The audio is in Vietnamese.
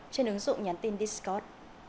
xin ứng dụng nhắn tin discord